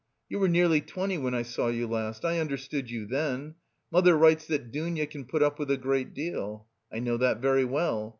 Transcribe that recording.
You were nearly twenty when I saw you last: I understood you then. Mother writes that 'Dounia can put up with a great deal.' I know that very well.